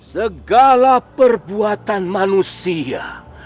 segala perbuatan manusia